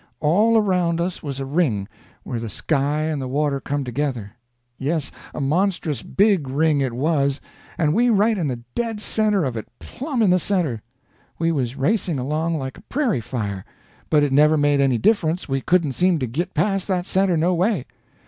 All around us was a ring, where the sky and the water come together; yes, a monstrous big ring it was, and we right in the dead center of it—plumb in the center. We was racing along like a prairie fire, but it never made any difference, we couldn't seem to git past that center no way.